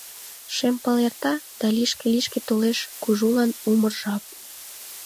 Шем пыл эрта, да лишке-лишке Толеш кужулан умыр жап.